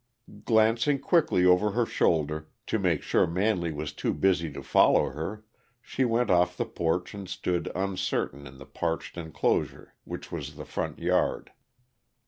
Glancing quickly over her shoulder, to make sure Manley was too busy to follow her, she went off the porch and stood uncertain in the parched inclosure which was the front yard.